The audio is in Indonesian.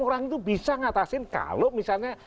enam orang itu bisa mengatasin kalau misalnya